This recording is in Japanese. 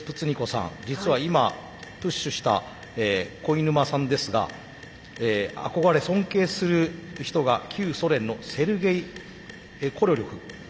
さん実は今プッシュした肥沼さんですが憧れ尊敬する人が旧ソ連のセルゲイ・コロリョフ。